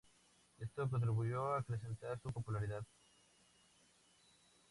Esto contribuyó a acrecentar su popularidad.